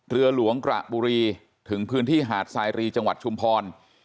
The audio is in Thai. เรือหลวงกระบุรีถึงพื้นที่หาดสายรีจังหวัดชุมพร